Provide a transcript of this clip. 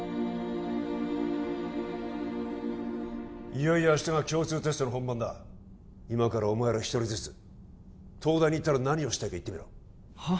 いよいよ明日が共通テストの本番だ今からお前ら１人ずつ東大に行ったら何をしたいか言ってみろはあ？